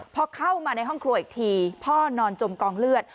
พอเข้ามาในห้องครัวอีกทีพ่อนอนจมกองเลือด